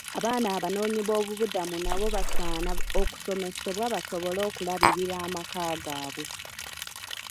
Abaana abanoonyiboobubudamu nabo basaana okusomesebwa basobole okulabirira amaka gaabwe.